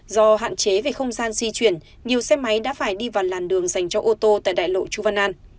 do hạn chế về không gian di chuyển nhiều xe máy đã phải đi vào làn đường dành cho ô tô tại đại lộ chu văn an